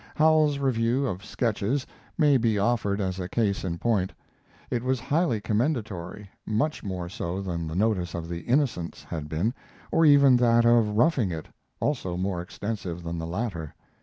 Howells's review of Sketches may be offered as a case in point. It was highly commendatory, much more so than the notice of the 'Innocents' had been, or even that of 'Roughing It', also more extensive than the latter.